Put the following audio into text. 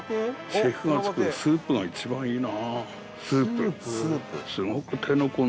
シェフが作るスープが一番いいなスープ。